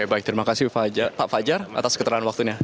baik terima kasih pak fajar atas keterangan waktu ini